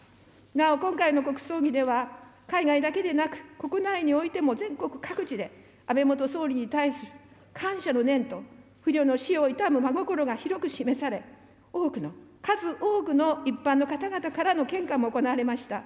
なお、今回の国葬議では、海外だけでなく、国内においても全国各地で、安倍元総理に対する感謝の念と不慮の死を悼む真心が広く示され、多くの、数多くの一般の方々からの献花も行われました。